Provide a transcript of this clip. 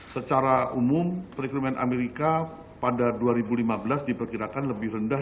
secara umum perekonomian amerika pada dua ribu lima belas diperkirakan lebih rendah